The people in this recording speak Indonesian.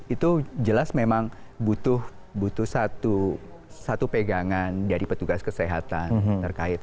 itu jelas memang butuh satu pegangan dari petugas kesehatan terkait